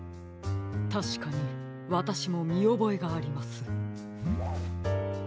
たしかにわたしもみおぼえがあります。